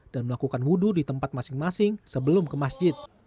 dan melakukan hudu di tempat masing masing sebelum ke masjid